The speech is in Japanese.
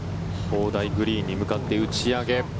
砲台グリーンに向かって打ち上げ。